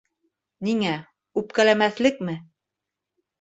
Ниңә, үпкәләмәҫлекме?